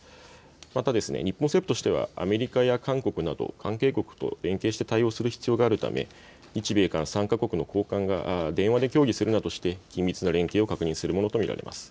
また日本政府としてはアメリカや韓国など関係国と連携して対応する必要があるため日米韓３か国の高官が電話で協議するなどして緊密な連携を確認するものと見られます。